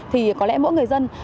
thì có lẽ mỗi người dân